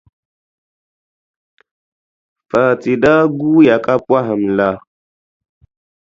Fati daa guuya ka pɔhim la,